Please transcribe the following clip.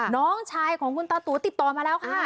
น้องชายของคุณตาตั๋วติดต่อมาแล้วค่ะ